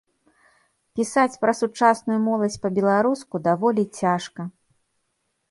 Пісаць пра сучасную моладзь па-беларуску даволі цяжка.